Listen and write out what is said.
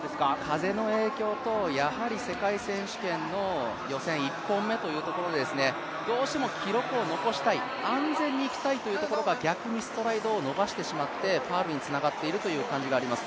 風の影響と、世界選手権の予選１本目というところでどうしても記録を残したい、安全にいきたいというのが、逆にストライドをのばしてしまってファウルにつながっているという感じがあります。